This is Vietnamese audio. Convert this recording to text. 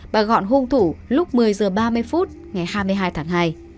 bà gọn hung thủ lúc một mươi h ba mươi phút ngày hai mươi hai tháng hai